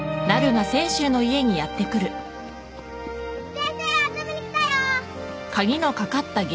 先生遊びに来たよ！